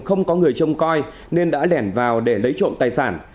không có người trông coi nên đã lẻn vào để lấy trộm tài sản